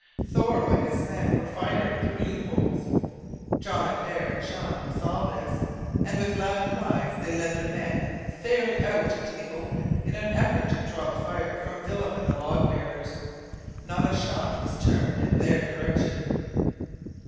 Thoreau and his men were firing through loopholes! John Adare and Jean saw this, and with loud cries they led their men fairly out into the open in an effort to draw the fire from Philip and the log bearers. Not a shot was turned in their direction.